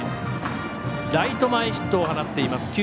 ライト前ヒットを放っています。